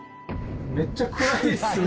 めっちゃ暗いですね。